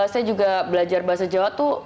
saya juga belajar bahasa jawa tuh